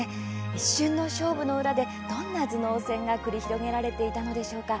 一瞬の勝負の裏でどんな頭脳戦が繰り広げられていたのでしょうか。